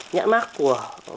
nhãn mát của